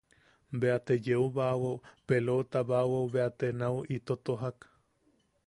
Bea te yeubaawao peloʼotabaawao bea te nau ito tojak.